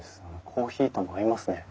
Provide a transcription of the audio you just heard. コーヒーとも合いますね。